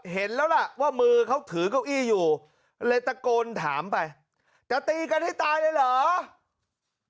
เห็นแล้วล่ะว่ามือเขาถือเก้าอี้อยู่เลยตะโกนถามไปจะตีกันให้ตายเลยเหรอ